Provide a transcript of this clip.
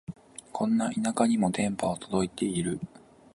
こんな田舎にも電波は届いてる